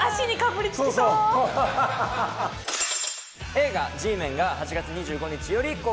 映画『Ｇメン』が８月２５日より公開します。